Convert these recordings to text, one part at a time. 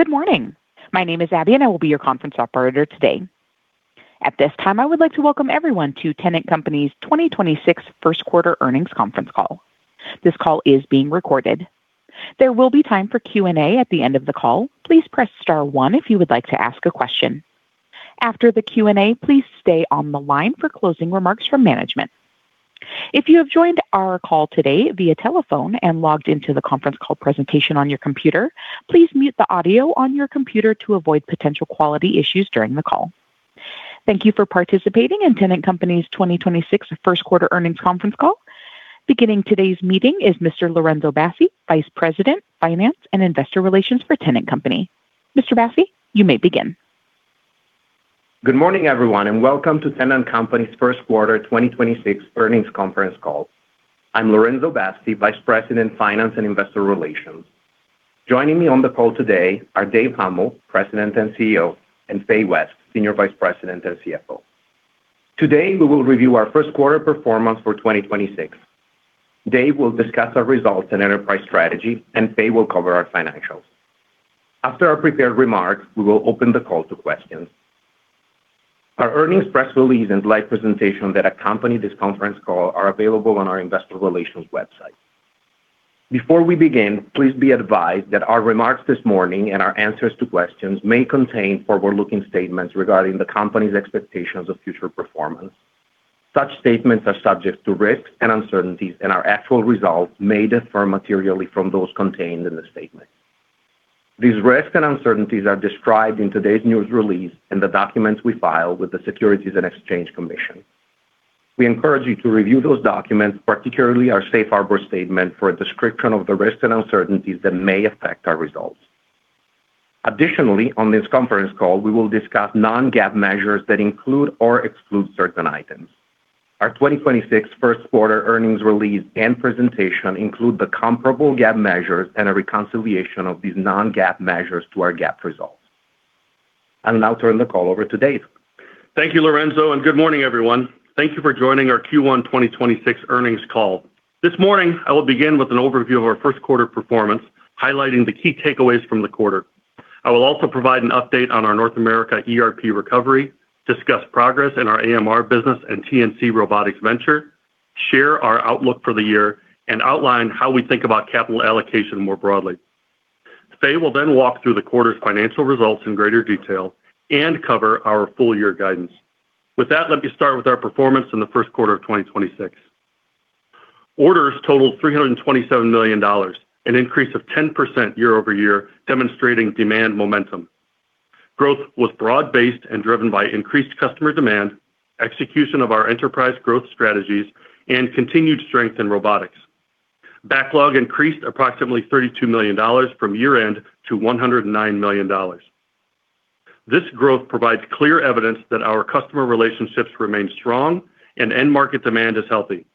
Good morning. My name is Abby, and I will be your conference operator today. At this time, I would like to welcome everyone to Tennant Company's 2026 first quarter earnings conference call. This call is being recorded. There will be time for Q&A at the end of the call. Please press star one if you would like to ask a question. After the Q&A, please stay on the line for closing remarks from management. If you have joined our call today via telephone and logged into the conference call presentation on your computer, please mute the audio on your computer to avoid potential quality issues during the call. Thank you for participating in Tennant Company's 2026 first quarter earnings conference call. Beginning today's meeting is Mr. Lorenzo Bassi, Vice President, Finance and Investor Relations for Tennant Company. Mr. Bassi, you may begin. Good morning, everyone, and welcome to Tennant Company's first quarter 2026 earnings conference call. I'm Lorenzo Bassi, Vice President, Finance and Investor Relations. Joining me on the call today are Dave Huml, President and CEO, and Fay West, Senior Vice President and CFO. Today, we will review our first quarter performance for 2026. Dave will discuss our results and enterprise strategy. Faye will cover our financials. After our prepared remarks, we will open the call to questions. Our earnings press release and live presentation that accompany this conference call are available on our investor relations website. Before we begin, please be advised that our remarks this morning and our answers to questions may contain forward-looking statements regarding the company's expectations of future performance. Such statements are subject to risks and uncertainties. Our actual results may differ materially from those contained in the statement. These risks and uncertainties are described in today's news release and the documents we filed with the Securities and Exchange Commission. We encourage you to review those documents, particularly our safe harbor statement, for a description of the risks and uncertainties that may affect our results. Additionally, on this conference call, we will discuss non-GAAP measures that include or exclude certain items. Our 2026 first quarter earnings release and presentation include the comparable GAAP measures and a reconciliation of these non-GAAP measures to our GAAP results. I'll now turn the call over to Dave. Thank you, Lorenzo, and good morning, everyone. Thank you for joining our Q1 2026 earnings call. This morning, I will begin with an overview of our first quarter performance, highlighting the key takeaways from the quarter. I will also provide an update on our North America Enterprise Resource Planning recovery, discuss progress in our Autonomous Mobile Robot business and TNC Robotics venture, share our outlook for the year, and outline how we think about capital allocation more broadly. Fay will then walk through the quarter's financial results in greater detail and cover our full year guidance. With that, let me start with our performance in the first quarter of 2026. Orders totaled $327 million, an increase of 10% year-over-year, demonstrating demand momentum. Growth was broad-based and driven by increased customer demand, execution of our enterprise growth strategies, and continued strength in robotics. Backlog increased approximately $32 million from year-end to $109 million. This growth provides clear evidence that our customer relationships remain strong and end market demand is healthy.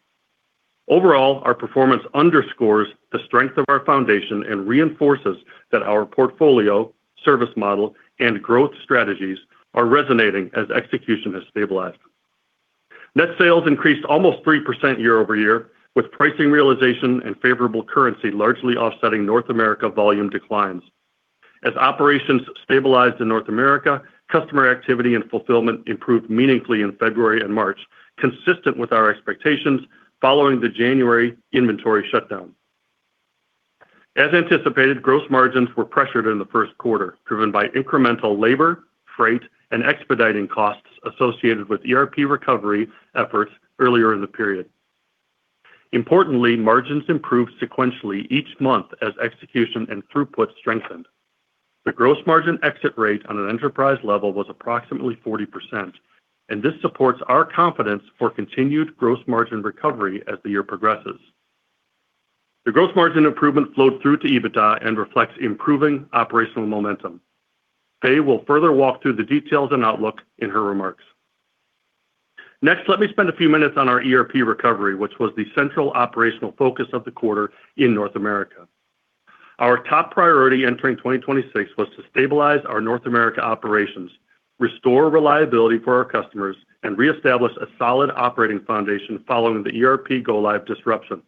Overall, our performance underscores the strength of our foundation and reinforces that our portfolio, service model, and growth strategies are resonating as execution has stabilized. Net sales increased almost 3% year-over-year, with pricing realization and favorable currency largely offsetting North America volume declines. As operations stabilized in North America, customer activity and fulfillment improved meaningfully in February and March, consistent with our expectations following the January inventory shutdown. As anticipated, gross margins were pressured in the first quarter, driven by incremental labor, freight, and expediting costs associated with ERP recovery efforts earlier in the period. Importantly, margins improved sequentially each month as execution and throughput strengthened. The gross margin exit rate on an enterprise level was approximately 40%, and this supports our confidence for continued gross margin recovery as the year progresses. The gross margin improvement flowed through to EBITDA and reflects improving operational momentum. Fay will further walk through the details and outlook in her remarks. Let me spend a few minutes on our ERP recovery, which was the central operational focus of the quarter in North America. Our top priority entering 2026 was to stabilize our North America operations, restore reliability for our customers, and reestablish a solid operating foundation following the ERP go-live disruption.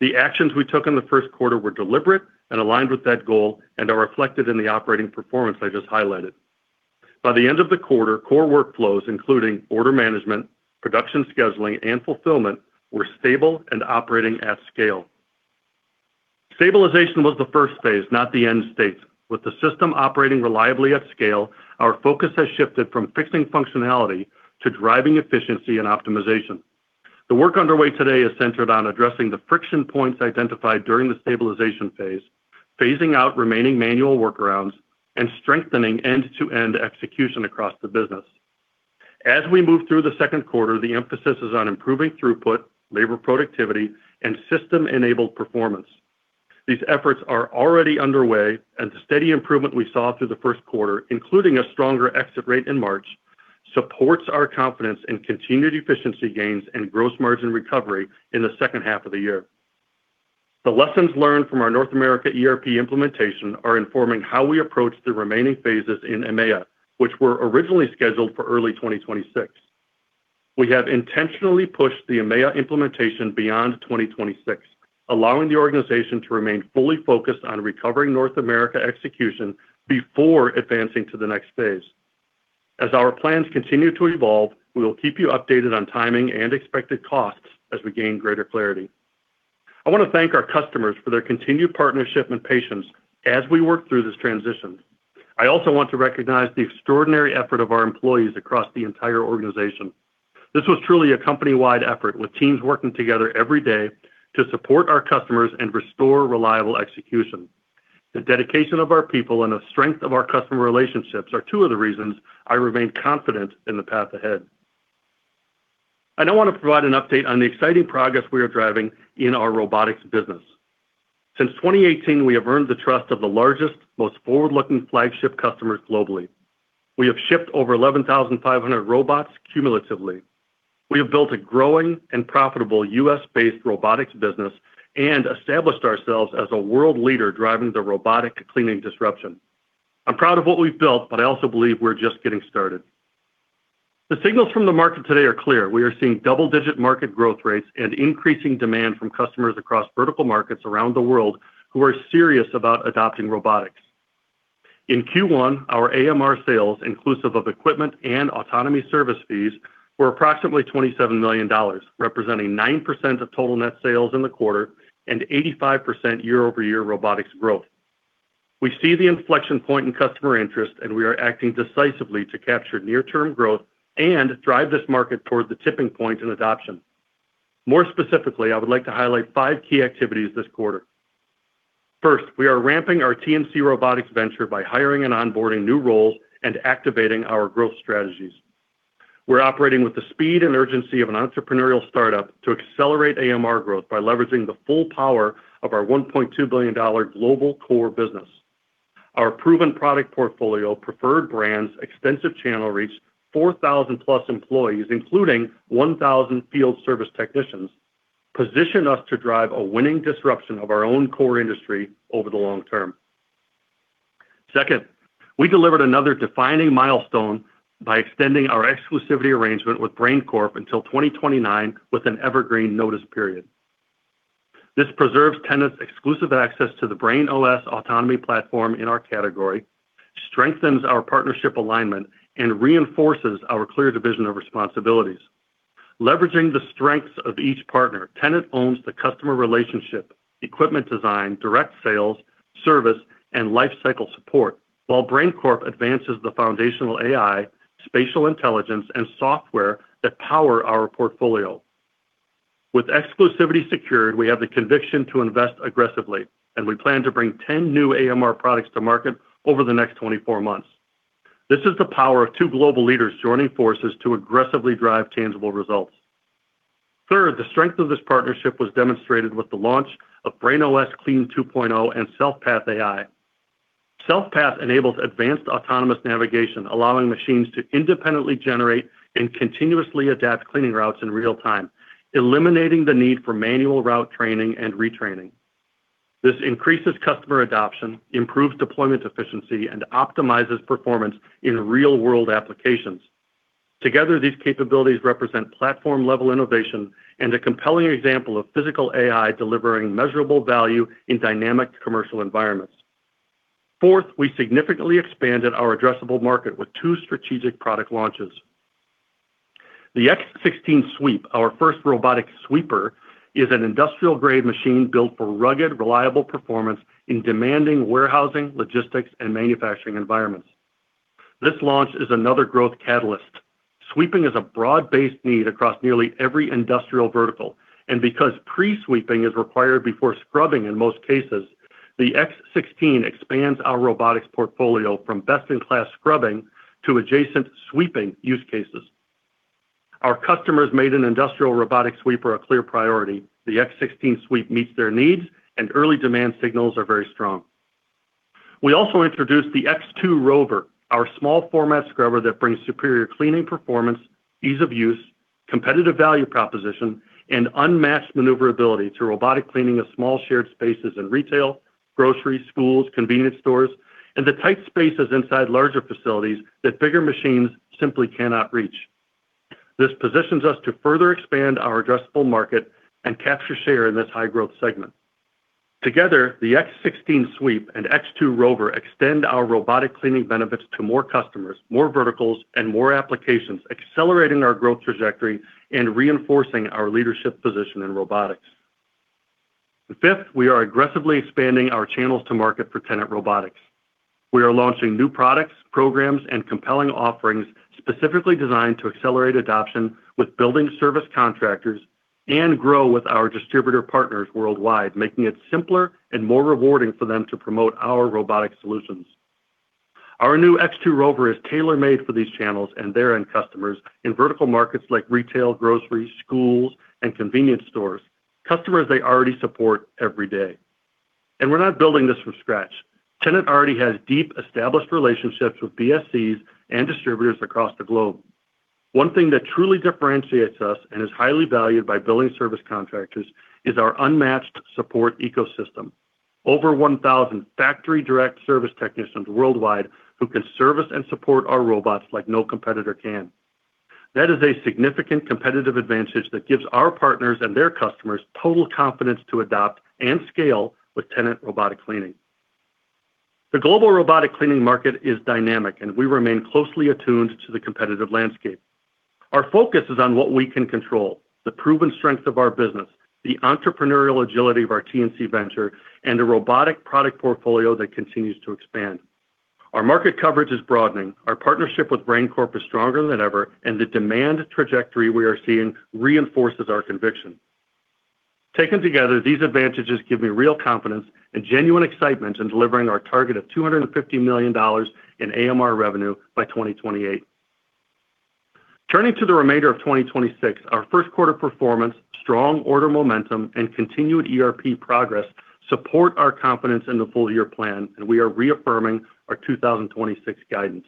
The actions we took in the first quarter were deliberate and aligned with that goal and are reflected in the operating performance I just highlighted. By the end of the quarter, core workflows, including order management, production scheduling, and fulfillment, were stable and operating at scale. Stabilization was the first phase, not the end state. With the system operating reliably at scale, our focus has shifted from fixing functionality to driving efficiency and optimization. The work underway today is centered on addressing the friction points identified during the stabilization phase, phasing out remaining manual workarounds, and strengthening end-to-end execution across the business. As we move through the second quarter, the emphasis is on improving throughput, labor productivity, and system-enabled performance. These efforts are already underway, and the steady improvement we saw through the first quarter, including a stronger exit rate in March, supports our confidence in continued efficiency gains and gross margin recovery in the second half of the year. The lessons learned from our North America ERP implementation are informing how we approach the remaining phases in EMEA, which were originally scheduled for early 2026. We have intentionally pushed the EMEA implementation beyond 2026, allowing the organization to remain fully focused on recovering North America execution before advancing to the next phase. As our plans continue to evolve, we will keep you updated on timing and expected costs as we gain greater clarity. I want to thank our customers for their continued partnership and patience as we work through this transition. I also want to recognize the extraordinary effort of our employees across the entire organization. This was truly a company-wide effort with teams working together every day to support our customers and restore reliable execution. The dedication of our people and the strength of our customer relationships are two of the reasons I remain confident in the path ahead. I now want to provide an update on the exciting progress we are driving in our robotics business. Since 2018, we have earned the trust of the largest, most forward-looking flagship customers globally. We have shipped over 11,500 robots cumulatively. We have built a growing and profitable U.S.-based robotics business and established ourselves as a world leader driving the robotic cleaning disruption. I'm proud of what we've built, but I also believe we're just getting started. The signals from the market today are clear. We are seeing double-digit market growth rates and increasing demand from customers across vertical markets around the world who are serious about adopting robotics. In Q1, our AMR sales, inclusive of Equipment and Autonomy Service fees, were approximately $27 million, representing 9% of total net sales in the quarter and 85% year-over-year robotics growth. We see the inflection point in customer interest, and we are acting decisively to capture near-term growth and drive this market toward the tipping point in adoption. More specifically, I would like to highlight five key activities this quarter. First, we are ramping our TNC Robotics venture by hiring and onboarding new roles and activating our growth strategies. We're operating with the speed and urgency of an entrepreneurial startup to accelerate AMR growth by leveraging the full power of our $1.2 billion global core business. Our proven product portfolio, preferred brands, extensive channel reach, 4,000-plus employees, including 1,000 field service technicians, position us to drive a winning disruption of our own core industry over the long term. Second, we delivered another defining milestone by extending our exclusivity arrangement with Brain Corp until 2029 with an evergreen notice period. This preserves Tennant's exclusive access to the BrainOS autonomy platform in our category, strengthens our partnership alignment, and reinforces our clear division of responsibilities. Leveraging the strengths of each partner, Tennant owns the customer relationship, equipment design, direct sales, service, and lifecycle support, while Brain Corp advances the foundational AI, spatial intelligence, and software that power our portfolio. With exclusivity secured, we have the conviction to invest aggressively, and we plan to bring 10 new AMR products to market over the next 24 months. This is the power of two global leaders joining forces to aggressively drive tangible results. Third, the strength of this partnership was demonstrated with the launch of BrainOS Clean 2.0 and SelfPath AI. SelfPath enables advanced autonomous navigation, allowing machines to independently generate and continuously adapt cleaning routes in real time, eliminating the need for manual route training and retraining. This increases customer adoption, improves deployment efficiency, and optimizes performance in real-world applications. Together, these capabilities represent platform-level innovation and a compelling example of physical AI delivering measurable value in dynamic commercial environments. Fourth, we significantly expanded our addressable market with two strategic product launches. The X16 SWEEP, our first robotic sweeper, is an industrial-grade machine built for rugged, reliable performance in demanding warehousing, logistics, and manufacturing environments. This launch is another growth catalyst. Sweeping is a broad-based need across nearly every industrial vertical, and because pre-sweeping is required before scrubbing in most cases, the X16 expands our robotics portfolio from best-in-class scrubbing to adjacent sweeping use cases. Our customers made an industrial robotic sweeper a clear priority. The X16 Sweep meets their needs, and early demand signals are very strong. We also introduced the X2 ROVR, our small-format scrubber that brings superior cleaning performance, ease of use, competitive value proposition, and unmatched maneuverability to robotic cleaning of small shared spaces in retail, grocery, schools, convenience stores, and the tight spaces inside larger facilities that bigger machines simply cannot reach. This positions us to further expand our addressable market and capture share in this high-growth segment. Together, the X16 SWEEP and X2 ROVR extend our robotic cleaning benefits to more customers, more verticals, and more applications, accelerating our growth trajectory and reinforcing our leadership position in robotics. Fifth, we are aggressively expanding our channels to market for Tennant Robotics. We are launching new products, programs, and compelling offerings specifically designed to accelerate adoption with building service contractors and grow with our distributor partners worldwide, making it simpler and more rewarding for them to promote our robotic solutions. Our new X2 ROVR is tailor-made for these channels and their end customers in vertical markets like retail, grocery, schools, and convenience stores, customers they already support every day. We're not building this from scratch. Tennant already has deep, established relationships with Building Service Contractors and distributors across the globe. One thing that truly differentiates us and is highly valued by Building Service Contractors is our unmatched support ecosystem. Over 1,000 factory direct service technicians worldwide who can service and support our robots like no competitor can. That is a significant competitive advantage that gives our partners and their customers total confidence to adopt and scale with Tennant robotic cleaning. The global robotic cleaning market is dynamic, and we remain closely attuned to the competitive landscape. Our focus is on what we can control, the proven strength of our business, the entrepreneurial agility of our TNC Robotics venture, and a robotic product portfolio that continues to expand. Our market coverage is broadening. Our partnership with Brain Corp is stronger than ever, and the demand trajectory we are seeing reinforces our conviction. Taken together, these advantages give me real confidence and genuine excitement in delivering our target of $250 million in AMR revenue by 2028. Turning to the remainder of 2026, our first quarter performance, strong order momentum, and continued ERP progress support our confidence in the full year plan, and we are reaffirming our 2026 guidance.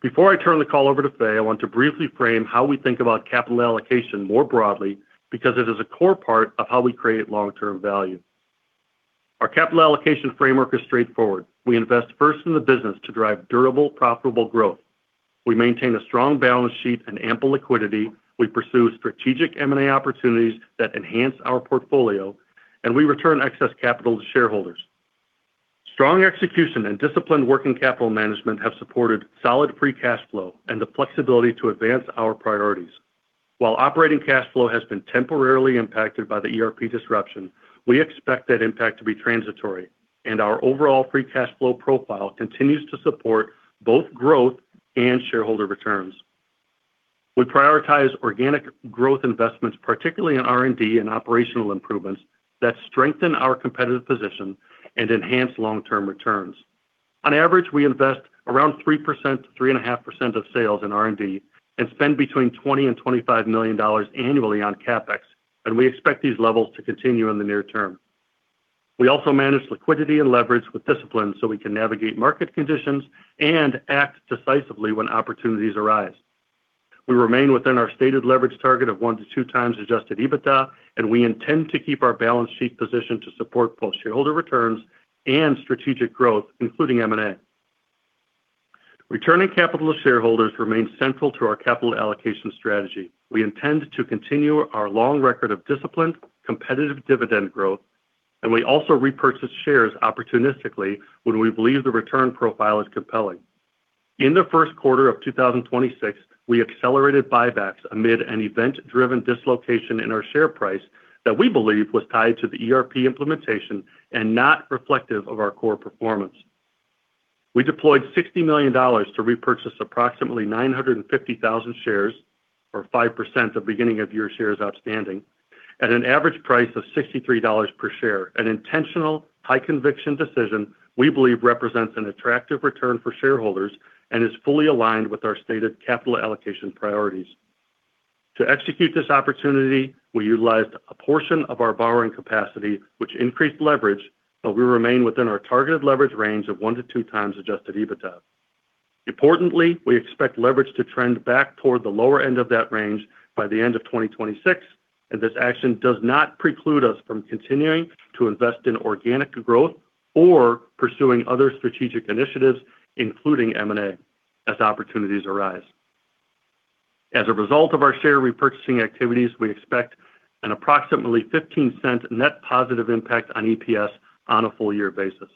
Before I turn the call over to Fay, I want to briefly frame how we think about capital allocation more broadly because it is a core part of how we create long-term value. Our capital allocation framework is straightforward. We invest first in the business to drive durable, profitable growth. We maintain a strong balance sheet and ample liquidity. We pursue strategic M&A opportunities that enhance our portfolio, and we return excess capital to shareholders. Strong execution and disciplined working capital management have supported solid free cash flow and the flexibility to advance our priorities. While operating cash flow has been temporarily impacted by the ERP disruption, we expect that impact to be transitory, and our overall free cash flow profile continues to support both growth and shareholder returns. We prioritize organic growth investments, particularly in R&D and operational improvements that strengthen our competitive position and enhance long-term returns. On average, we invest around 3%-3.5% of sales in R&D and spend between $20 million and $25 million annually on CapEx, and we expect these levels to continue in the near term. We also manage liquidity and leverage with discipline, so we can navigate market conditions and act decisively when opportunities arise. We remain within our stated leverage target of 1x-2x Adjusted EBITDA, and we intend to keep our balance sheet position to support both shareholder returns and strategic growth, including M&A. Returning capital to shareholders remains central to our capital allocation strategy. We intend to continue our long record of disciplined, competitive dividend growth, and we also repurchase shares opportunistically when we believe the return profile is compelling. In the first quarter of 2026, we accelerated buybacks amid an event-driven dislocation in our share price that we believe was tied to the ERP implementation and not reflective of our core performance. We deployed $60 million to repurchase approximately 950,000 shares, or 5% of beginning of year shares outstanding, at an average price of $63 per share, an intentional, high conviction decision we believe represents an attractive return for shareholders and is fully aligned with our stated capital allocation priorities. To execute this opportunity, we utilized a portion of our borrowing capacity, which increased leverage, but we remain within our targeted leverage range of 1x-2x Adjusted EBITDA. Importantly, we expect leverage to trend back toward the lower end of that range by the end of 2026, and this action does not preclude us from continuing to invest in organic growth or pursuing other strategic initiatives, including M&A, as opportunities arise. As a result of our share repurchasing activities, we expect an approximately $0.15 net positive impact on EPS on a full year basis.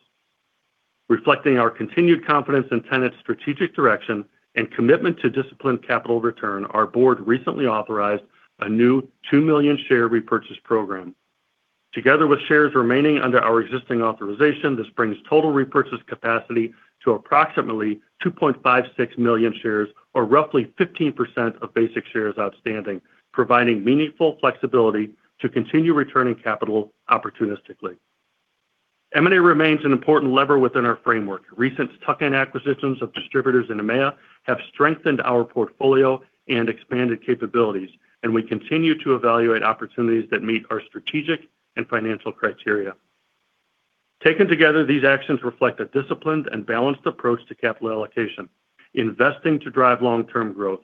Reflecting our continued confidence in Tennant's strategic direction and commitment to disciplined capital return, our board recently authorized a new 2 million share repurchase program. Together with shares remaining under our existing authorization, this brings total repurchase capacity to approximately 2.56 million shares, or roughly 15% of basic shares outstanding, providing meaningful flexibility to continue returning capital opportunistically. M&A remains an important lever within our framework. Recent tuck-in acquisitions of distributors in EMEA have strengthened our portfolio and expanded capabilities, and we continue to evaluate opportunities that meet our strategic and financial criteria. Taken together, these actions reflect a disciplined and balanced approach to capital allocation, investing to drive long-term growth,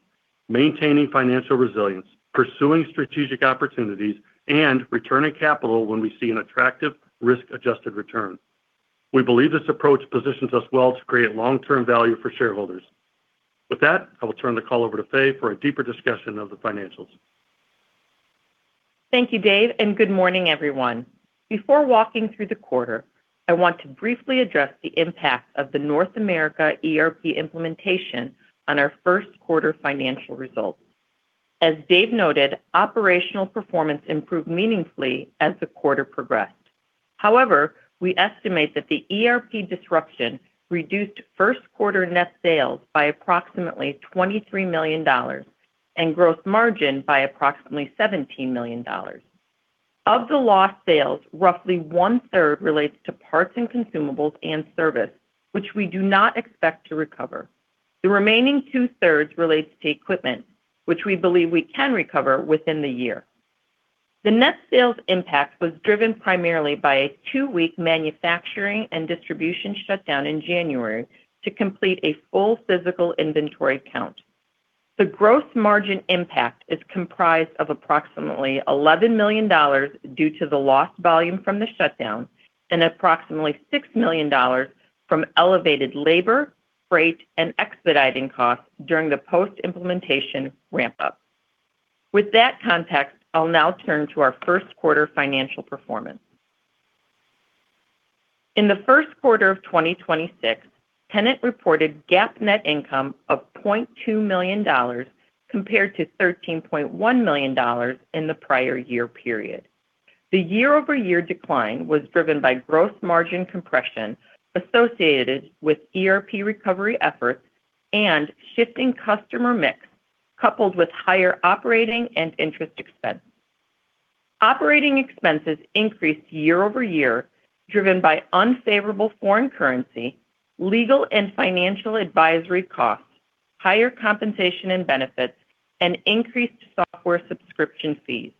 maintaining financial resilience, pursuing strategic opportunities, and returning capital when we see an attractive risk-adjusted return. We believe this approach positions us well to create long-term value for shareholders. With that, I will turn the call over to Fay for a deeper discussion of the financials. Thank you, Dave, and good morning, everyone. Before walking through the quarter, I want to briefly address the impact of the North America ERP implementation on our first quarter financial results. As Dave noted, operational performance improved meaningfully as the quarter progressed. We estimate that the ERP disruption reduced first quarter net sales by approximately $23 million and gross margin by approximately $17 million. Of the lost sales, roughly 1/3 relates to parts and consumables and service, which we do not expect to recover. The remaining 2/3 relates to equipment, which we believe we can recover within the year. The net sales impact was driven primarily by a two-week manufacturing and distribution shutdown in January to complete a full physical inventory count. The gross margin impact is comprised of approximately $11 million due to the lost volume from the shutdown and approximately $6 million from elevated labor, freight, and expediting costs during the post-implementation ramp-up. With that context, I'll now turn to our first quarter financial performance. In the first quarter of 2026, Tennant reported GAAP net income of $0.2 million compared to $13.1 million in the prior year period. The year-over-year decline was driven by gross margin compression associated with ERP recovery efforts and shifting customer mix coupled with higher operating and interest expenses. Operating expenses increased year-over-year driven by unfavorable foreign currency, legal and financial advisory costs, higher compensation and benefits, and increased software subscription fees.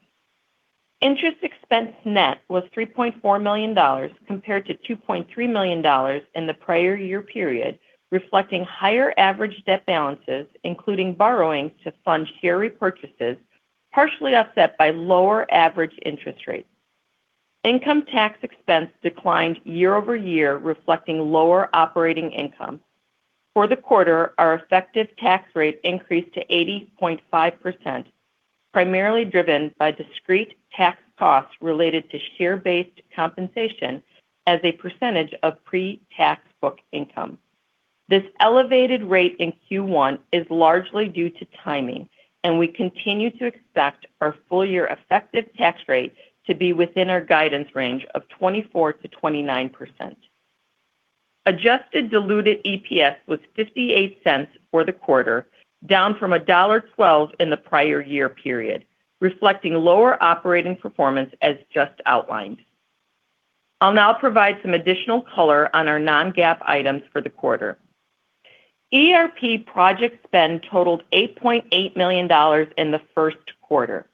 Interest expense net was $3.4 million compared to $2.3 million in the prior year period, reflecting higher average debt balances, including borrowings to fund share repurchases, partially offset by lower average interest rates. Income tax expense declined year-over-year reflecting lower operating income. For the quarter, our effective tax rate increased to 80.5%, primarily driven by discrete tax costs related to share-based compensation as a percentage of pre-tax book income. This elevated rate in Q1 is largely due to timing. We continue to expect our full-year effective tax rate to be within our guidance range of 24%-29%. Adjusted Diluted EPS was $0.58 for the quarter, down from $1.12 in the prior year period, reflecting lower operating performance as just outlined. I'll now provide some additional color on our non-GAAP items for the quarter. ERP project spend totaled $8.8 million in the first quarter.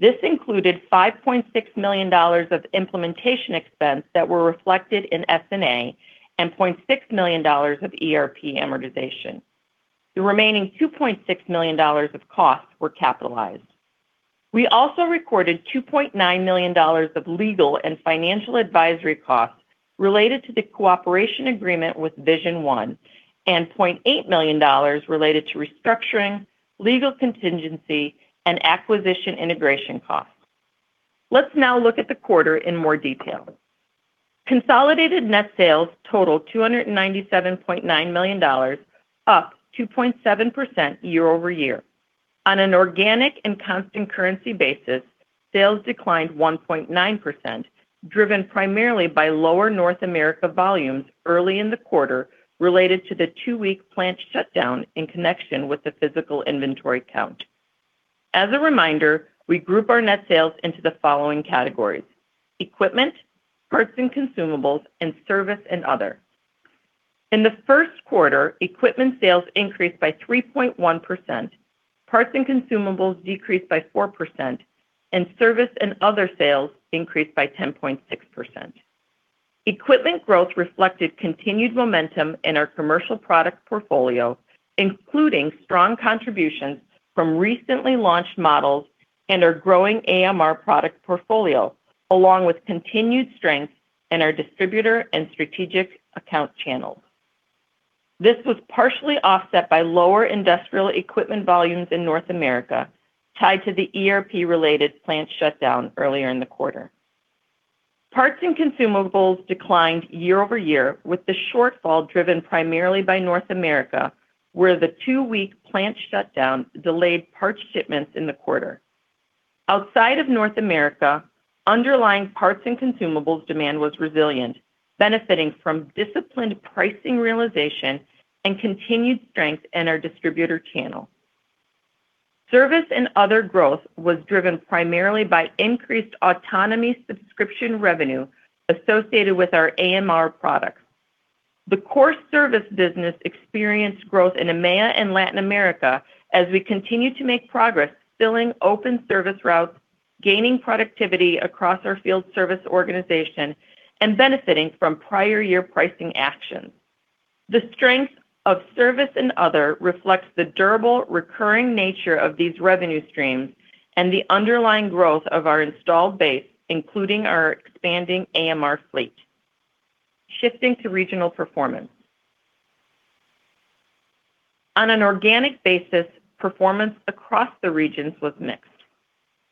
This included $5.6 million of implementation expense that were reflected in SG&A and $0.6 million of ERP amortization. The remaining $2.6 million of costs were capitalized. We also recorded $2.9 million of legal and financial advisory costs related to the cooperation agreement with Vision One and $0.8 million related to restructuring, legal contingency, and acquisition integration costs. Let's now look at the quarter in more detail. Consolidated net sales totaled $297.9 million, up 2.7% year-over-year. On an organic and constant currency basis, sales declined 1.9%, driven primarily by lower North America volumes early in the quarter related to the two-week plant shutdown in connection with the physical inventory count. As a reminder, we group our net sales into the following categories, equipment, parts and consumables, and service and other. In the first quarter, equipment sales increased by 3.1%, parts and consumables decreased by 4%, and service and other sales increased by 10.6%. Equipment growth reflected continued momentum in our commercial product portfolio, including strong contributions from recently launched models and our growing AMR product portfolio, along with continued strength in our distributor and strategic account channels. This was partially offset by lower industrial equipment volumes in North America tied to the ERP-related plant shutdown earlier in the quarter. Parts and consumables declined year-over-year, with the shortfall driven primarily by North America, where the two-week plant shutdown delayed parts shipments in the quarter. Outside of North America, underlying parts and consumables demand was resilient, benefiting from disciplined pricing realization and continued strength in our distributor channel. Service and other growth was driven primarily by increased autonomy subscription revenue associated with our AMR products. The core service business experienced growth in EMEA and Latin America as we continue to make progress filling open service routes, gaining productivity across our field service organization, and benefiting from prior year pricing actions. The strength of service and other reflects the durable recurring nature of these revenue streams and the underlying growth of our installed base, including our expanding AMR fleet. Shifting to regional performance. On an organic basis, performance across the regions was mixed.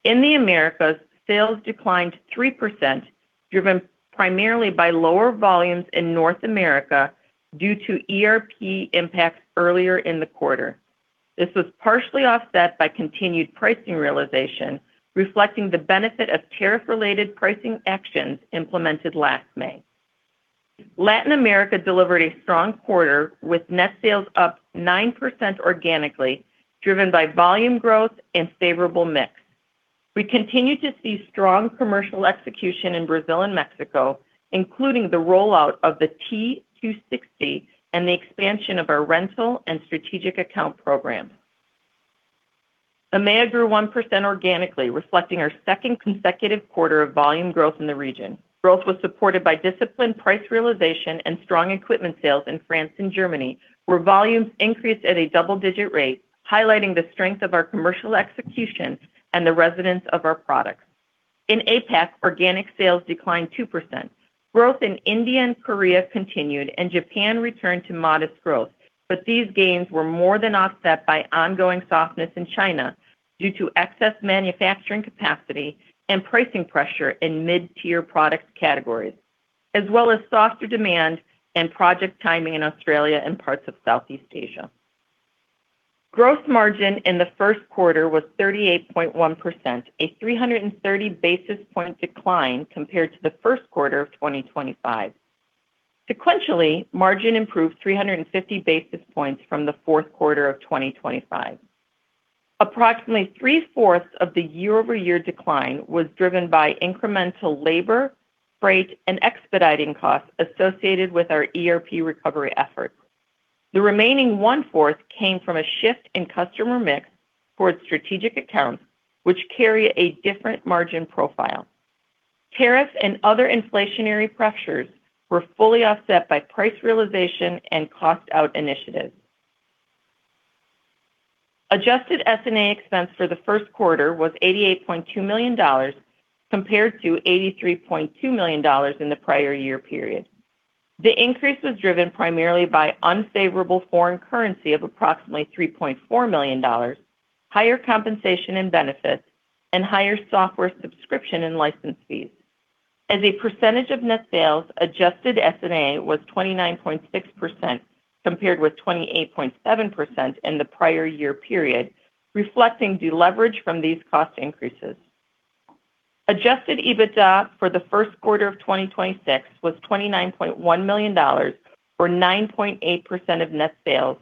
In the Americas, sales declined 3%, driven primarily by lower volumes in North America due to ERP impacts earlier in the quarter. This was partially offset by continued pricing realization, reflecting the benefit of tariff-related pricing actions implemented last May. Latin America delivered a strong quarter with net sales up 9% organically, driven by volume growth and favorable mix. We continue to see strong commercial execution in Brazil and Mexico, including the rollout of the T260 and the expansion of our rental and strategic account programs. EMEA grew 1% organically, reflecting our second consecutive quarter of volume growth in the region. Growth was supported by disciplined price realization and strong equipment sales in France and Germany, where volumes increased at a double-digit rate, highlighting the strength of our commercial execution and the resonance of our products. In APAC, organic sales declined 2%. Growth in India and Korea continued, and Japan returned to modest growth. These gains were more than offset by ongoing softness in China due to excess manufacturing capacity and pricing pressure in mid-tier product categories, as well as softer demand and project timing in Australia and parts of Southeast Asia. Gross margin in the first quarter was 38.1%, a 330 basis point decline compared to the first quarter of 2025. Sequentially, margin improved 350 basis points from the fourth quarter of 2025. Approximately 3/4 of the year-over-year decline was driven by incremental labor, freight, and expediting costs associated with our ERP recovery efforts. The remaining 1/4 came from a shift in customer mix towards strategic accounts, which carry a different margin profile. Tariffs and other inflationary pressures were fully offset by price realization and cost out initiatives. Adjusted SG&A expense for the first quarter was $88.2 million, compared to $83.2 million in the prior year period. The increase was driven primarily by unfavorable foreign currency of approximately $3.4 million, higher compensation and benefits, and higher software subscription and license fees. As a percentage of net sales, Adjusted SG&A was 29.6%, compared with 28.7% in the prior year period, reflecting deleverage from these cost increases. Adjusted EBITDA for the first quarter of 2026 was $29.1 million, or 9.8% of net sales,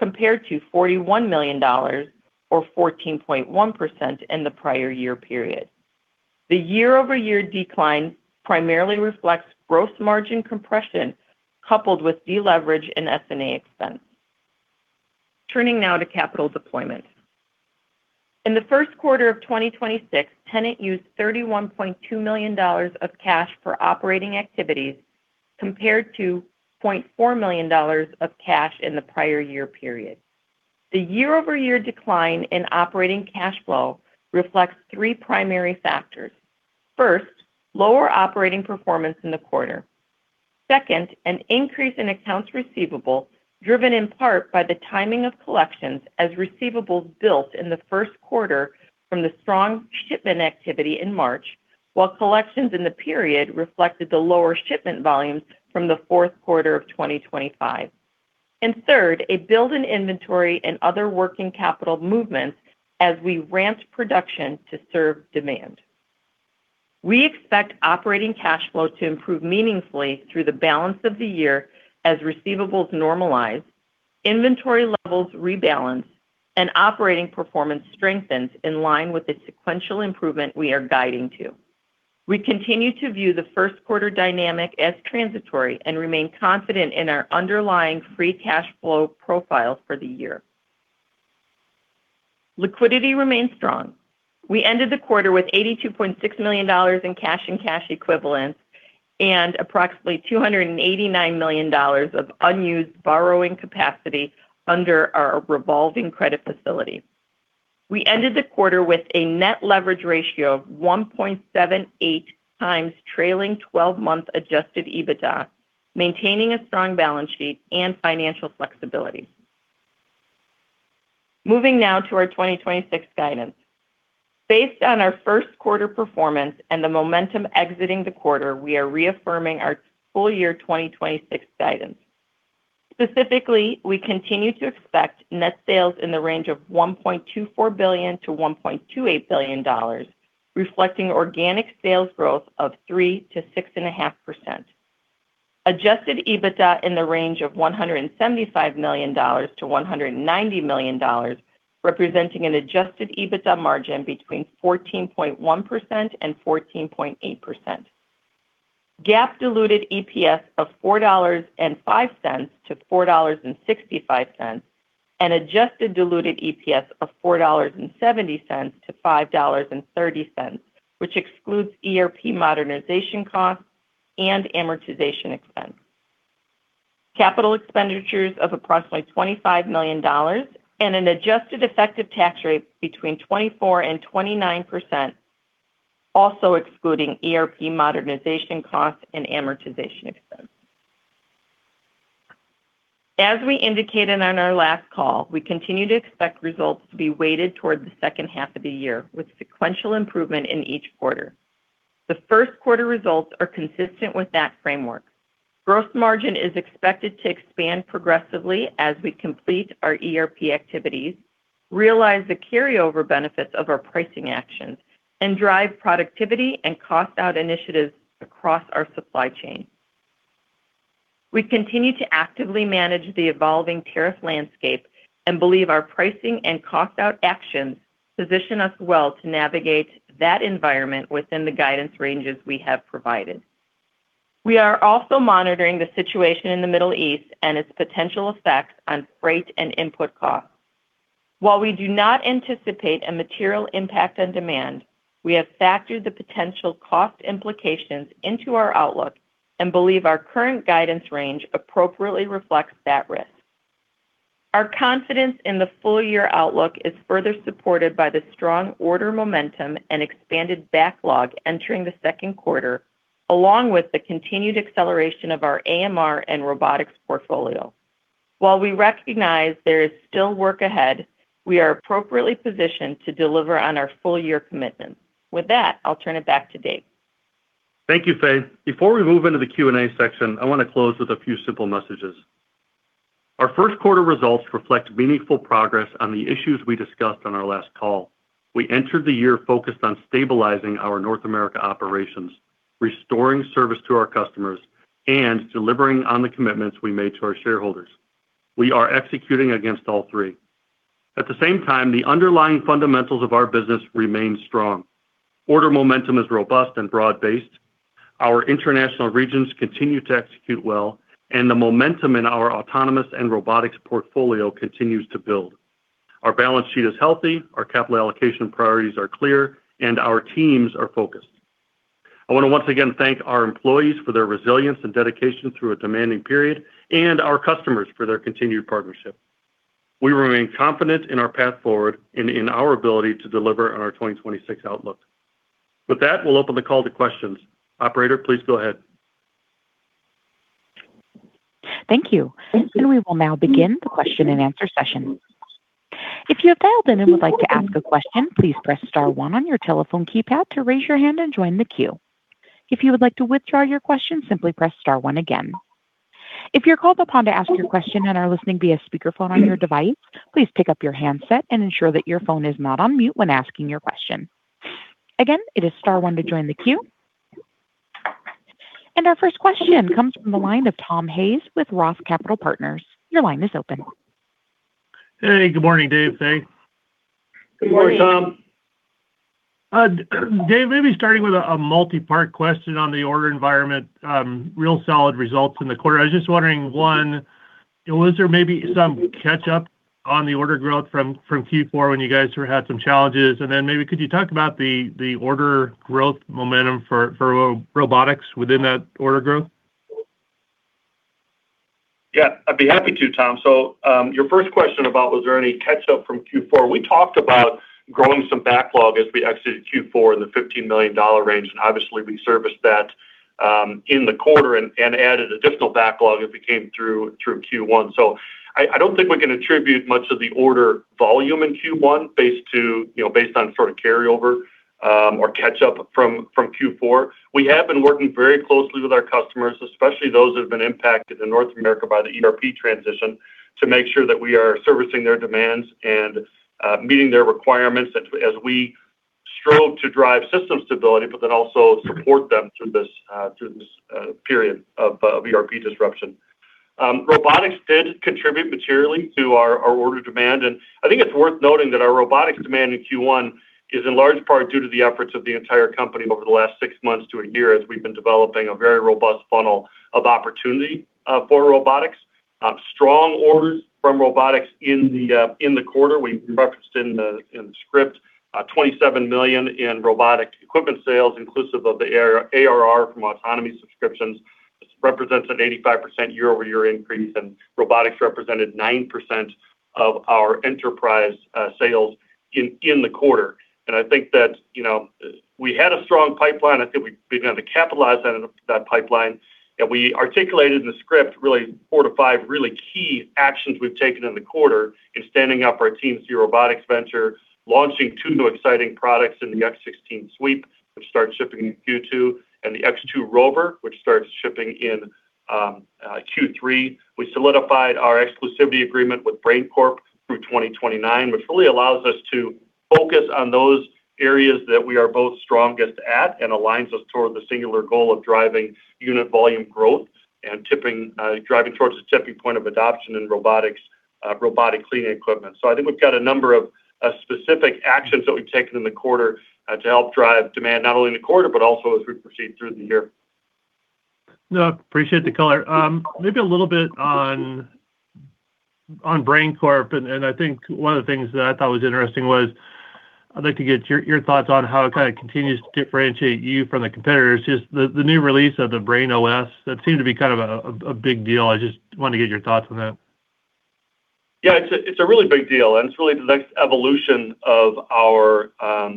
compared to $41 million, or 14.1% in the prior year period. The year-over-year decline primarily reflects gross margin compression coupled with deleverage in SG&A expense. Turning now to capital deployment. In the first quarter of 2026, Tennant used $31.2 million of cash for operating activities, compared to $0.4 million of cash in the prior year period. The year-over-year decline in operating cash flow reflects three primary factors. First, lower operating performance in the quarter. An increase in accounts receivable, driven in part by the timing of collections as receivables built in the first quarter from the strong shipment activity in March, while collections in the period reflected the lower shipment volumes from the fourth quarter of 2025. A build in inventory and other working capital movements as we ramped production to serve demand. We expect operating cash flow to improve meaningfully through the balance of the year as receivables normalize, inventory levels rebalance, and operating performance strengthens in line with the sequential improvement we are guiding to. We continue to view the first quarter dynamic as transitory and remain confident in our underlying free cash flow profile for the year. Liquidity remains strong. We ended the quarter with $82.6 million in cash and cash equivalents and approximately $289 million of unused borrowing capacity under our revolving credit facility. We ended the quarter with a net leverage ratio of 1.78x trailing 12-month Adjusted EBITDA, maintaining a strong balance sheet and financial flexibility. Moving now to our 2026 guidance. Based on our first quarter performance and the momentum exiting the quarter, we are reaffirming our full year 2026 guidance. Specifically, we continue to expect net sales in the range of $1.24 billion-$1.28 billion, reflecting organic sales growth of 3%-6.5%. Adjusted EBITDA in the range of $175 million-$190 million, representing an Adjusted EBITDA margin between 14.1% and 14.8%. GAAP diluted EPS of $4.05-$4.65, and Adjusted Diluted EPS of $4.70-$5.30, which excludes ERP modernization costs and amortization expense. Capital expenditures of approximately $25 million and an adjusted effective tax rate between 24% and 29%, also excluding ERP modernization costs and amortization expense. As we indicated on our last call, we continue to expect results to be weighted towards the second half of the year, with sequential improvement in each quarter. The first quarter results are consistent with that framework. Gross margin is expected to expand progressively as we complete our ERP activities, realize the carryover benefits of our pricing actions, and drive productivity and cost out initiatives across our supply chain. We continue to actively manage the evolving tariff landscape and believe our pricing and cost out actions position us well to navigate that environment within the guidance ranges we have provided. We are also monitoring the situation in the Middle East and its potential effects on freight and input costs. While we do not anticipate a material impact on demand, we have factored the potential cost implications into our outlook and believe our current guidance range appropriately reflects that risk. Our confidence in the full year outlook is further supported by the strong order momentum and expanded backlog entering the second quarter, along with the continued acceleration of our AMR and robotics portfolio. While we recognize there is still work ahead, we are appropriately positioned to deliver on our full year commitments. With that, I'll turn it back to Dave. Thank you, Fay. Before we move into the Q&A section, I want to close with a few simple messages. Our first quarter results reflect meaningful progress on the issues we discussed on our last call. We entered the year focused on stabilizing our North America operations, restoring service to our customers, and delivering on the commitments we made to our shareholders. We are executing against all three. At the same time, the underlying fundamentals of our business remain strong. Order momentum is robust and broad-based. Our international regions continue to execute well, and the momentum in our autonomous and robotics portfolio continues to build. Our balance sheet is healthy, our capital allocation priorities are clear, and our teams are focused. I want to once again thank our employees for their resilience and dedication through a demanding period and our customers for their continued partnership. We remain confident in our path forward and in our ability to deliver on our 2026 outlook. With that, we'll open the call to questions. Operator, please go ahead. Thank you. We will now begin the question and answer session. If you have dialed in and would like to ask a question, please press star one on your telephone keypad to raise your hand and join the queue. If you would like to withdraw your question, simply press star one again. If you're called upon to ask your question and are listening via speakerphone on your device, please pick up your handset and ensure that your phone is not on mute when asking your question. Again, it is star one to join the queue. Our first question comes from the line of Tom Hayes with Roth Capital Partners. Your line is open. Hey, good morning, Dave, Fay. Good morning, Tom. Dave, maybe starting with a multi-part question on the order environment, real solid results in the quarter. I was just wondering, one, was there maybe some catch up on the order growth from Q4 when you guys had some challenges? Maybe could you talk about the order growth momentum for robotics within that order growth? I'd be happy to, Tom. Your first question about was there any catch up from Q4, we talked about growing some backlog as we exited Q4 in the $15 million range, and obviously we serviced that in the quarter and added additional backlog as we came through Q1. I don't think we can attribute much of the order volume in Q1 based to, you know, based on sort of carryover or catch up from Q4. We have been working very closely with our customers, especially those that have been impacted in North America by the ERP transition, to make sure that we are servicing their demands and meeting their requirements as we strobe to drive system stability, but also support them through this through this period of ERP disruption. Robotics did contribute materially to our order demand. It's worth noting that our robotics demand in Q1 is in large part due to the efforts of the entire company over the last six months to a year as we've been developing a very robust funnel of opportunity for robotics. Strong orders from robotics in the quarter. We referenced in the script $27 million in robotic equipment sales inclusive of the Annual Recurring Revenue from autonomy subscriptions. This represents an 85% year-over-year increase, and robotics represented 9% of our enterprise sales in the quarter. We had a strong pipeline. We began to capitalize that pipeline. We articulated in the script really four to five really key actions we've taken in the quarter in standing up our TNC Robotics venture, launching two new exciting products in the X16 SWEEP, which starts shipping in Q2, and the X2 ROVR, which starts shipping in Q3. We solidified our exclusivity agreement with Brain Corp through 2029, which really allows us to focus on those areas that we are both strongest at and aligns us toward the singular goal of driving unit volume growth and tipping, driving towards the tipping point of adoption in robotics, robotic cleaning equipment. I think we've got a number of specific actions that we've taken in the quarter, to help drive demand not only in the quarter, but also as we proceed through the year. No, appreciate the color. Maybe a little bit on Brain Corp. I think one of the things that I thought was interesting was, I'd like to get your thoughts on how it kind of continues to differentiate you from the competitors. Just the new release of the BrainOS, that seemed to be kind of a big deal. I just wanted to get your thoughts on that. Yeah, it's a really big deal, and it's really the next evolution of our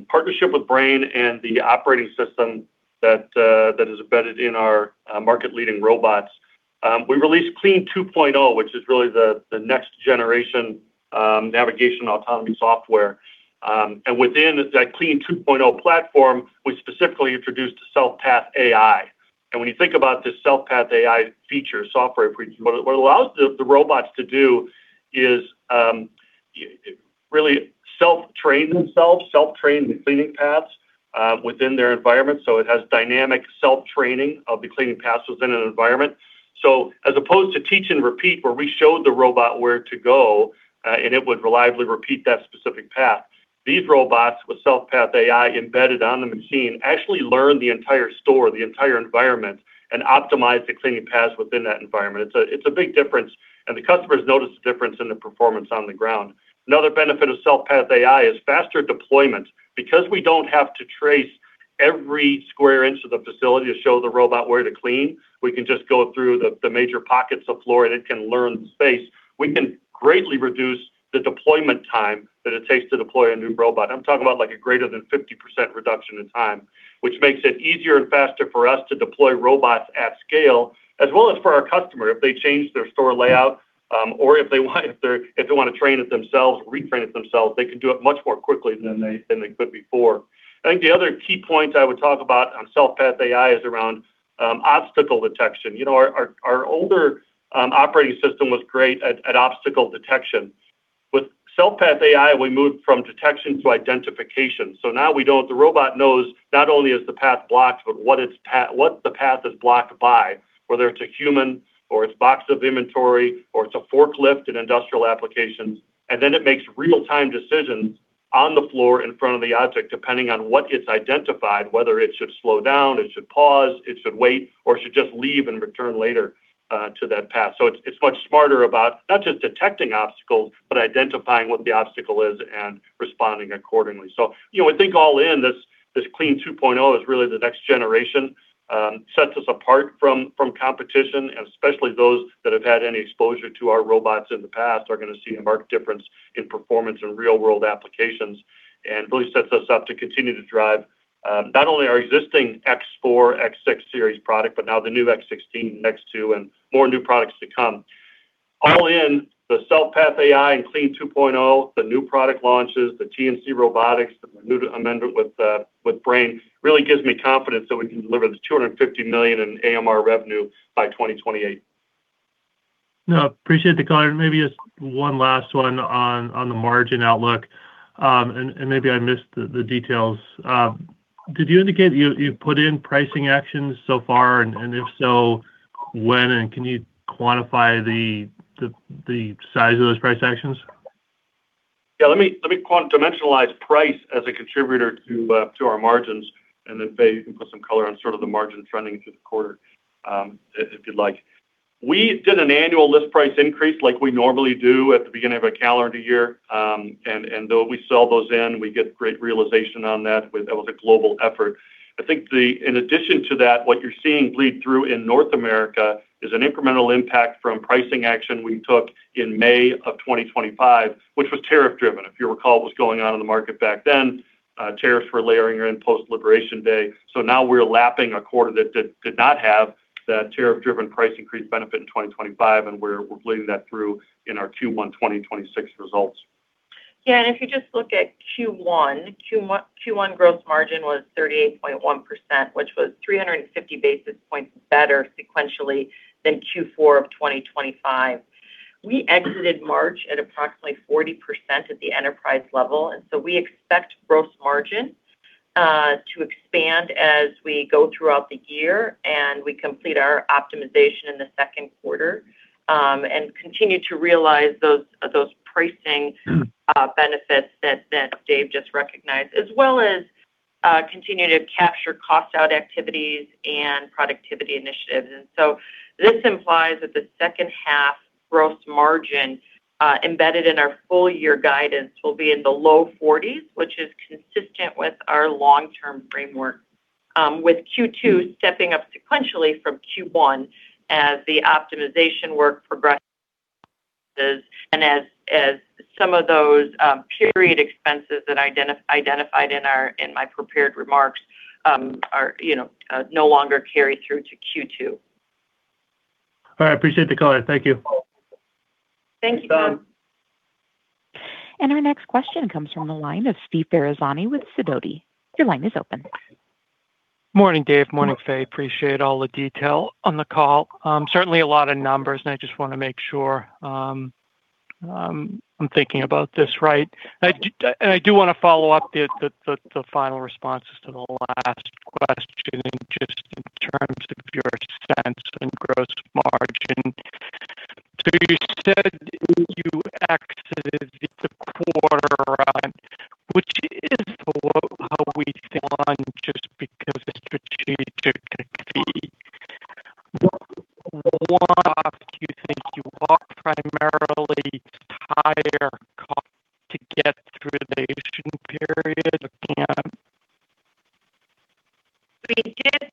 partnership with Brain and the operating system that is embedded in our market-leading robots. We released Clean 2.0, which is really the next generation navigation autonomy software. And within that Clean 2.0 platform, we specifically introduced SelfPath AI. And when you think about this SelfPath AI feature, software feature, what it allows the robots to do is really self-train themselves, self-train the cleaning paths within their environment. It has dynamic self-training of the cleaning paths within an environment. As opposed to teach and repeat, where we showed the robot where to go, and it would reliably repeat that specific path, these robots with SelfPath AI embedded on the machine actually learn the entire store, the entire environment, and optimize the cleaning paths within that environment. It's a big difference, and the customers notice a difference in the performance on the ground. Another benefit of SelfPath AI is faster deployment. Because we don't have to trace every square inch of the facility to show the robot where to clean, we can just go through the major pockets of floor, and it can learn the space. We can greatly reduce the deployment time that it takes to deploy a new robot. I'm talking about, like, a greater than 50% reduction in time, which makes it easier and faster for us to deploy robots at scale, as well as for our customer. If they change their store layout, or if they want, if they wanna train it themselves, retrain it themselves, they can do it much more quickly than they could before I think the other key point I would talk about on SelfPath AI is around obstacle detection. You know, our older operating system was great at obstacle detection. With SelfPath AI, we moved from detection to identification. Now we know. The robot knows not only is the path blocked, but what the path is blocked by, whether it's a human or it's box of inventory or it's a forklift in industrial applications. Then it makes real-time decisions on the floor in front of the object, depending on what it's identified, whether it should slow down, it should pause, it should wait, or it should just leave and return later to that path. It's much smarter about not just detecting obstacles, but identifying what the obstacle is and responding accordingly. You know, I think all in, this Clean 2.0 is really the next generation, sets us apart from competition, and especially those that have had any exposure to our robots in the past are gonna see a marked difference in performance in real-world applications and really sets us up to continue to drive, not only our existing X4, X6 series product, but now the new X16, X2, and more new products to come. All in, the SelfPath AI and Clean 2.0, the new product launches, the TNC Robotics, the new amendment with Brain, really gives me confidence that we can deliver the $250 million in AMR revenue by 2028. Appreciate the color. Maybe just one last one on the margin outlook. Maybe I missed the details. Did you indicate you put in pricing actions so far? If so, when can you quantify the size of those price actions? Let me dimensionalize price as a contributor to our margins, and then, Fay, you can put some color on sort of the margin trending through the quarter, if you'd like. We did an annual list price increase like we normally do at the beginning of a calendar year. And though we sell those in, we get great realization on that. That was a global effort. In addition to that, what you're seeing bleed through in North America is an incremental impact from pricing action we took in May of 2025, which was tariff driven. If you recall what was going on in the market back then, tariffs were layering in post-Liberation Day. Now we're lapping a quarter that did not have that tariff-driven price increase benefit in 2025, and we're bleeding that through in our Q1 2026 results. Yeah, if you just look at Q1 gross margin was 38.1%, which was 350 basis points better sequentially than Q4 of 2025. We exited March at approximately 40% at the enterprise level, we expect gross margin to expand as we go throughout the year and we complete our optimization in the second quarter and continue to realize those pricing benefits that Dave just recognized, as well as, continue to capture cost-out activities and productivity initiatives. This implies that the second-half gross margin, embedded in our full year guidance will be in the low forties, which is consistent with our long-term framework, with Q2 stepping up sequentially from Q1 as the optimization work progresses and as some of those period expenses that identified in our, in my prepared remarks, are, you know, no longer carry through to Q2. All right. Appreciate the color. Thank you. Thank you. Thanks, Tom. Our next question comes from the line of Steve Ferazani with Sidoti & Company. Your line is open. Morning, Dave. Morning, Fay. Appreciate all the detail on the call. Certainly a lot of numbers, and I just wanna make sure I'm thinking about this right. And I do wanna follow up the final responses to the last question just in terms of your expense and gross margin. You said you exited the quarter, which is below how we thought just because of strategic fees. What loss do you think you bought primarily to hire cost to get through the Asian period again? We did.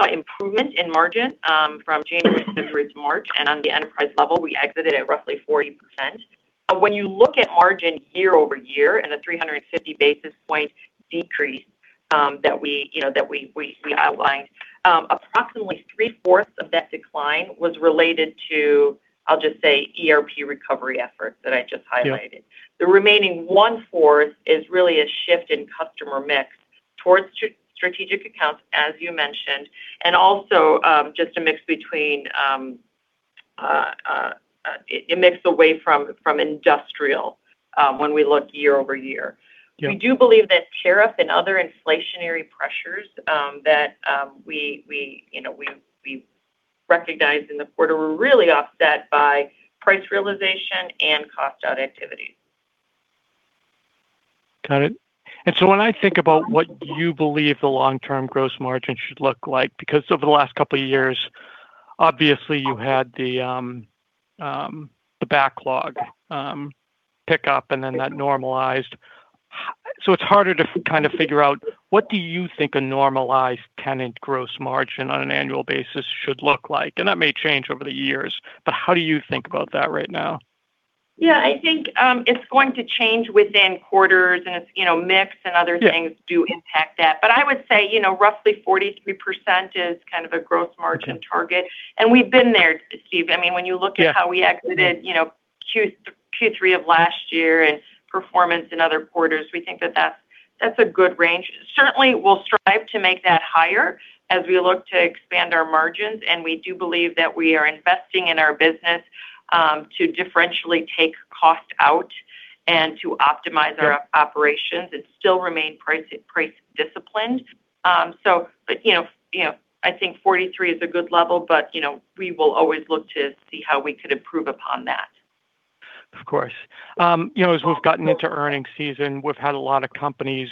We got $6 million of costs within the quarter with labor rates and what we think period expenses table is. During the quarter was $6 million and was also inside just loans. When we qualify the impact, $18 million in impact, $10 related to these $11 million related to just decreases. You know, we saw improvement in margin from January through to March. On the enterprise level, we exited at roughly 40%. When you look at margin year-over-year and the 350 basis point decrease that we, you know, we outlined, approximately 3/4 of that decline was related to, I'll just say, ERP recovery efforts that I just highlighted. Yeah. The remaining 1/4 is really a shift in customer mix towards strategic accounts, as you mentioned, and also, just a mix between, a mix away from industrial, when we look year-over-year. Yeah. We do believe that tariff and other inflationary pressures, that, we, you know, we recognized in the quarter were really offset by price realization and cost-out activity. Got it. When I think about what you believe the long-term gross margin should look like, because over the last couple of years, obviously you had the backlog pick up, and then that normalized. So it's harder to kind of figure out what do you think a normalized Tennant gross margin on an annual basis should look like? That may change over the years, but how do you think about that right now? Yeah, I think, it's going to change within quarters, and it's, you know, mix and other things do impact that. I would say, you know, roughly 43% is kind of a gross margin target. We've been there, Steve. Yeah. You know, Q3 of last year and performance in other quarters, we think that's a good range. Certainly, we'll strive to make that higher as we look to expand our margins, and we do believe that we are investing in our business to differentially take cost out and to optimize our operations and still remain price disciplined. You know, I think 43% is a good level, but, you know, we will always look to see how we could improve upon that. Of course. you know, as we've gotten into earnings season, we've had a lot of companies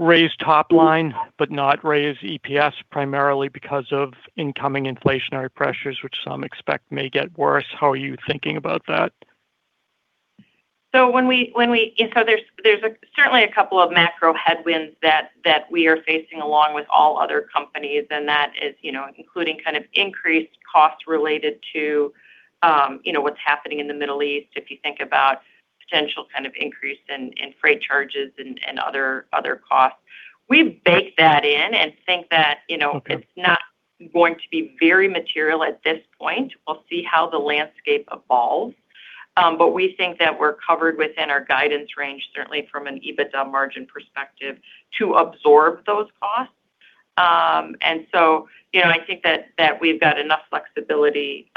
raise top line, but not raise EPS primarily because of incoming inflationary pressures, which some expect may get worse. How are you thinking about that? There's certainly a couple of macro headwinds that we are facing along with all other companies, and that is, including kind of increased cost related to what's happening in the Middle East. If you think about potential kind of increase in freight charges and other costs. We bake that in and think that. It's not going to be very material at this point. We'll see how the landscape evolves. We think that we're covered within our guidance range, certainly from an EBITDA margin perspective, to absorb those costs. You know, I think that we've got enough flexibility,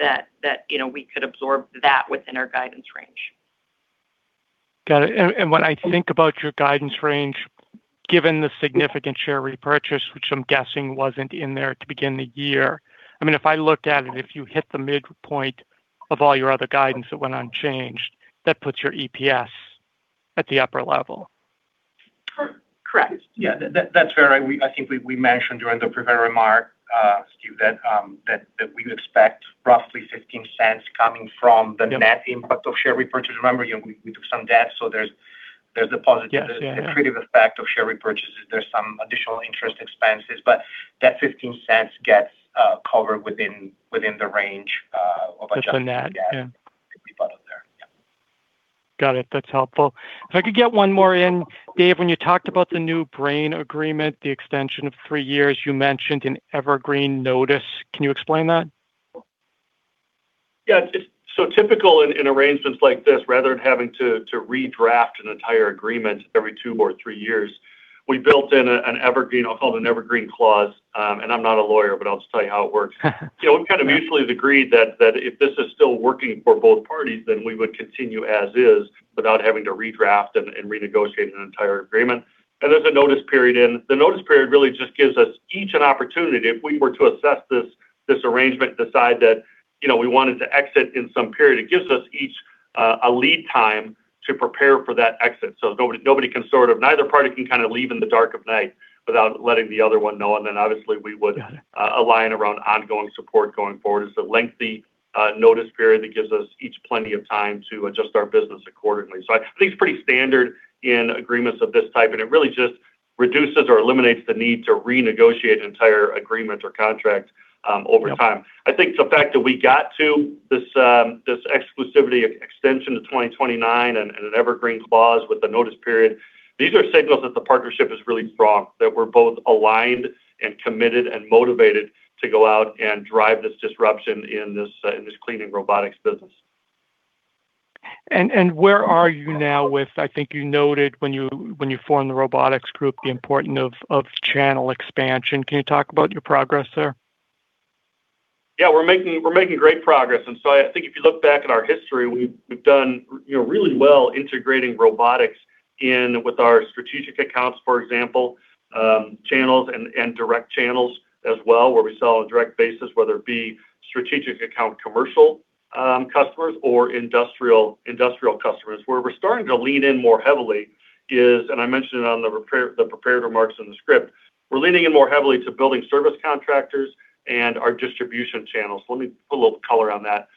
that, you know, we could absorb that within our guidance range. Got it. When I think about your guidance range, given the significant share repurchase, which I'm guessing wasn't in there to begin the year, I mean, if I looked at it, if you hit the midpoint of all your other guidance that went unchanged, that puts your EPS at the upper level. Correct. Yeah. That's fair. I think we mentioned during the prepared remark, Steve, that we expect roughly $0.15 coming from the net impact of share repurchase. Remember, you know, we took some debt. There's a positive attributive effect of share repurchases. There's some additional interest expenses, but that $0.15 gets covered within the range of adjustments. Just the net. Got it. That's helpful. If I could get one more in. Dave, when you talked about the new Brain agreement, the extension of three years, you mentioned an evergreen notice. Can you explain that? Typical in arrangements like this, rather than having to redraft an entire agreement every two or three years, we built in an evergreen, called an evergreen clause. I'm not a lawyer, but I'll just tell you how it works. You know, we kind of mutually agreed that if this is still working for both parties, we would continue as is without having to redraft and renegotiate an entire agreement. There's a notice period in. The notice period really just gives us each an opportunity if we were to assess this arrangement, decide that, you know, we wanted to exit in some period. It gives us each a lead time to prepare for that exit. Nobody can sort of. Neither party can kind of leave in the dark of night without letting the other one know and I would align around ongoing support going forward. It's a lengthy, notice period that gives us each plenty of time to adjust our business accordingly. I think it's pretty standard in agreements of this type, and it really just reduces or eliminates the need to renegotiate an entire agreement or contract, over time. Yeah. I think the fact that we got to this exclusivity extension to 2029 and an evergreen clause with the notice period, these are signals that the partnership is really strong, that we're both aligned and committed and motivated to go out and drive this disruption in this cleaning robotics business. Where are you now? I think you noted when you formed the robotics group, the importance of channel expansion. Can you talk about your progress there? Yeah, we're making great progress. I think if you look back at our history, we've done, you know, really well integrating robotics in with our strategic accounts, for example, channels and direct channels as well, where we sell on a direct basis, whether it be strategic account commercial customers or industrial customers. Where we're starting to lean in more heavily is, and I mentioned it on the prepared remarks in the script, we're leaning in more heavily to Building Service Contractors and our distribution channels. Let me put a little color on that.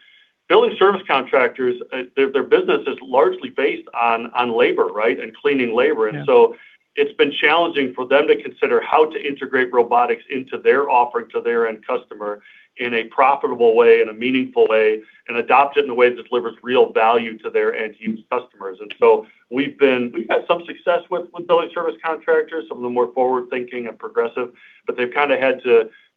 Building Service Contractors, their business is largely based on labor, right? Cleaning labor. It's been challenging for them to consider how to integrate robotics into their offering to their end customer in a profitable way, in a meaningful way, and adopt it in a way that delivers real value to their end use customers. We've had some success with Building Service Contractors, some of the more forward-thinking and progressive, but they've kind of had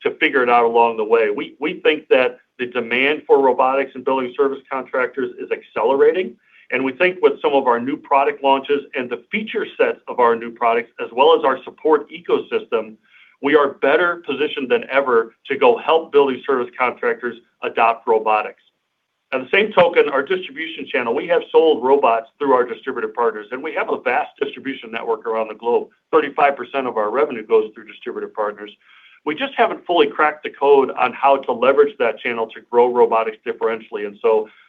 to figure it out along the way. We think that the demand for robotics and Building Service Contractors is accelerating, and we think with some of our new product launches and the feature sets of our new products as well as our support ecosystem, we are better positioned than ever to go help Building Service Contractors adopt robotics. On the same token, our distribution channel, we have sold robots through our distributor partners, and we have a vast distribution network around the globe. 35% of our revenue goes through distributor partners. We just haven't fully cracked the code on how to leverage that channel to grow robotics differentially.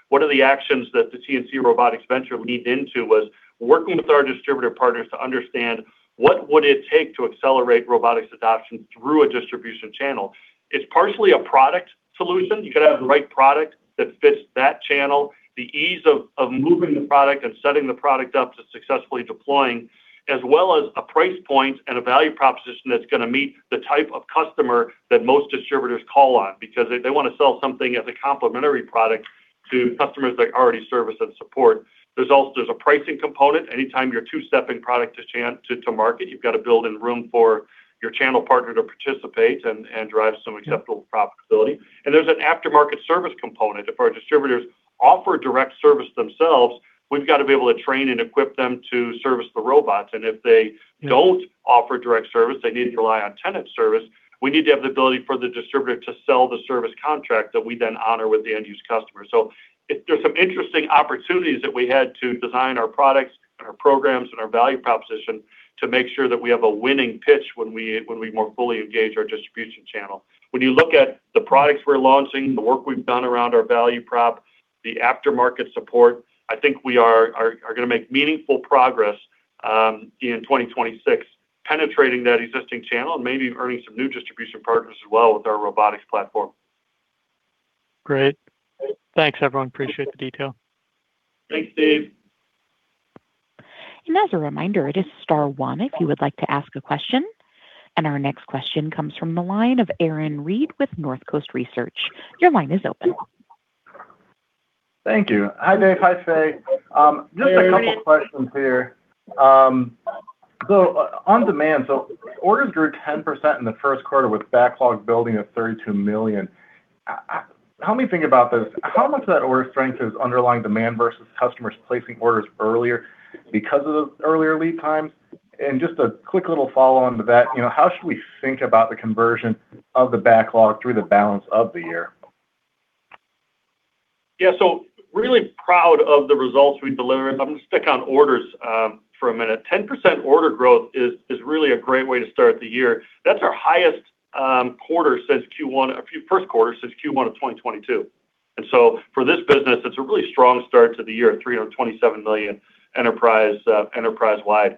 One of the actions that the TNC Robotics venture leaned into was working with our distributor partners to understand what would it take to accelerate robotics adoption through a distribution channel. It's partially a product solution. You gotta have the right product that fits that channel. The ease of moving the product and setting the product up to successfully deploying, as well as a price point and a value proposition that's gonna meet the type of customer that most distributors call on because they wanna sell something as a complementary product to customers they already service and support. There's a pricing component. Anytime you're two-stepping product to market, you've got to build in room for your channel partner to participate and drive some acceptable profitability. There's an aftermarket service component. If our distributors offer direct service themselves, we've got to be able to train and equip them to service the robots. If they don't offer direct service, they need to rely on Tennant service, we need to have the ability for the distributor to sell the service contract that we then honor with the end use customer. There's some interesting opportunities that we had to design our products and our programs and our value proposition to make sure that we have a winning pitch when we, when we more fully engage our distribution channel. When you look at the products we're launching, the work we've done around our value prop, the aftermarket support, I think we are gonna make meaningful progress in 2026 penetrating that existing channel and maybe earning some new distribution partners as well with our robotics platform. Great. Thanks, everyone. Appreciate the detail. Thanks, Dave. As a reminder, it is star one if you would like to ask a question. Our next question comes from the line of Aaron Reed with Northcoast Research. Your line is open. Thank you. Hi, Dave. Hi, Fay. Just a couple questions here. On-demand, so orders grew 10% in the first quarter with backlog building of $32 million. Help me think about this. How much of that order strength is underlying demand versus customers placing orders earlier because of the earlier lead times? Just a quick little follow-on to that, you know, how should we think about the conversion of the backlog through the balance of the year? Really proud of the results we delivered. I'm gonna stick on orders for a minute. 10% order growth is really a great way to start the year. That's our highest first quarter since Q1 of 2022. For this business, it's a really strong start to the year at $327 million enterprise-wide.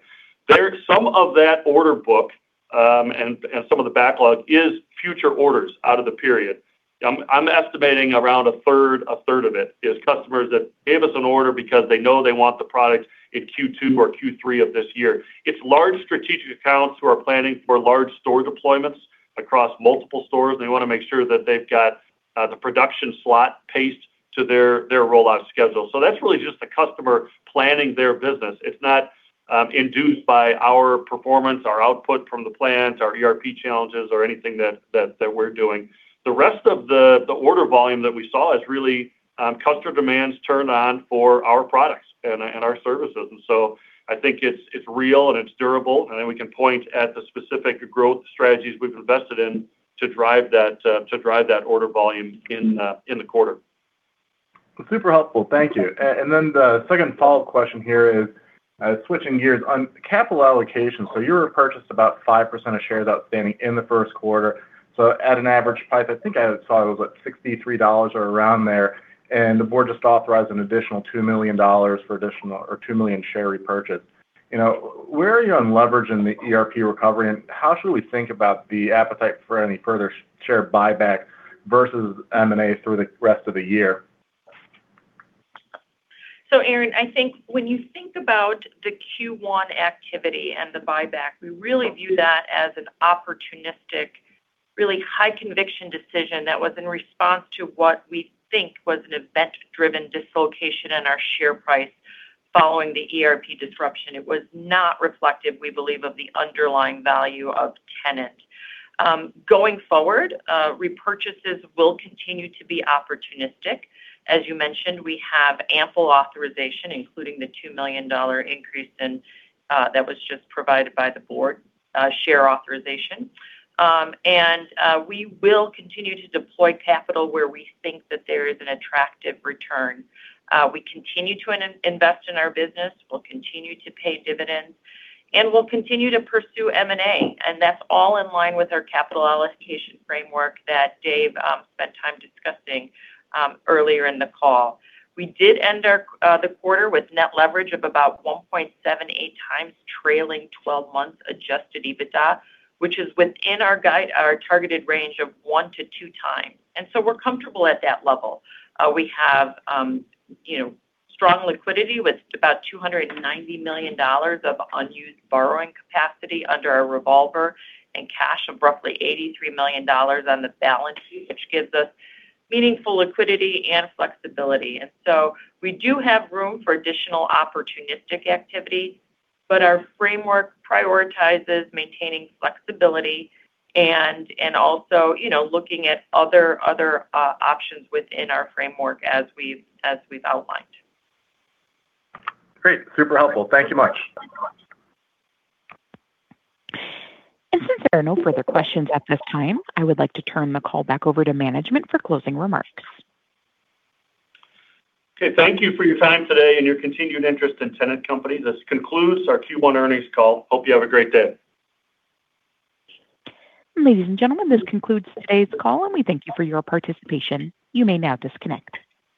Some of that order book and some of the backlog is future orders out of the period. I'm estimating around a third of it is customers that gave us an order because they know they want the product in Q2 or Q3 of this year. It's large strategic accounts who are planning for large store deployments across multiple stores, and they wanna make sure that they've got the production slot paced to their rollout schedule. That's really just the customer planning their business. It's not induced by our performance, our output from the plant, our ERP challenges, or anything that we're doing. The rest of the order volume that we saw is really customer demands turned on for our products and our services. I think it's real and it's durable, and then we can point at the specific growth strategies we've invested in to drive that order volume in the quarter. Super helpful. Thank you. Then the second follow-up question here is switching gears. On capital allocation, you repurchased about 5% of shares outstanding in the first quarter. At an average price, I think I saw it was, like, $63 or around there, and the board just authorized an additional $2 million for additional or 2 million share repurchase. Where are you on leverage in the ERP recovery, and how should we think about the appetite for any further share buyback versus M&A through the rest of the year? Aaron, I think when you think about the Q1 activity and the buyback, we really view that as an opportunistic, really high conviction decision that was in response to what we think was an event-driven dislocation in our share price following the ERP disruption. It was not reflective, we believe, of the underlying value of Tennant. Going forward, repurchases will continue to be opportunistic. As you mentioned, we have ample authorization, including the $2 million increase in that was just provided by the board, share authorization. We will continue to deploy capital where we think that there is an attractive return. We continue to invest in our business. We'll continue to pay dividends, and we'll continue to pursue M&A, and that's all in line with our capital allocation framework that Dave spent time discussing earlier in the call. We did end our the quarter with net leverage of about 1.78x trailing 12-month Adjusted EBITDA, which is within our guide, our targeted range of 1x-2x. We're comfortable at that level. We have, you know, strong liquidity with about $290 million of unused borrowing capacity under our revolver and cash of roughly $83 million on the balance sheet, which gives us meaningful liquidity and flexibility. We do have room for additional opportunistic activity, but our framework prioritizes maintaining flexibility and also, you know, looking at other options within our framework as we've outlined. Great. Super helpful. Thank you much. Since there are no further questions at this time, I would like to turn the call back over to management for closing remarks. Okay. Thank you for your time today and your continued interest in Tennant Company. This concludes our Q1 earnings call. Hope you have a great day. Ladies and gentlemen, this concludes today's call, and we thank you for your participation. You may now disconnect.